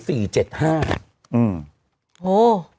อืมโห